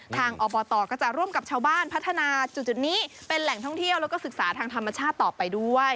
อบตก็จะร่วมกับชาวบ้านพัฒนาจุดนี้เป็นแหล่งท่องเที่ยวแล้วก็ศึกษาทางธรรมชาติต่อไปด้วย